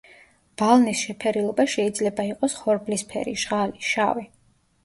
ბალნის შეფერილობა შეიძლება იყოს ხორბლისფერი, ჟღალი, შავი.